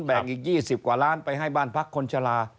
อีก๒๐กว่าล้านไปให้บ้านพักคนชะลา